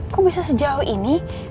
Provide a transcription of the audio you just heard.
kok bisa sejauh ini